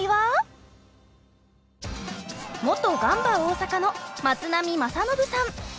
元ガンバ大阪の松波正信さん。